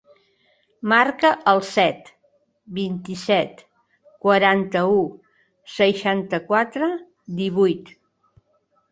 Marca el set, vint-i-set, quaranta-u, seixanta-quatre, divuit.